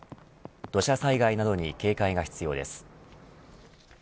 土砂災害などに警戒が必要です。